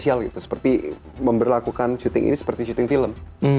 yang spesial gitu seperti memperlakukan syuting ini seperti syuting film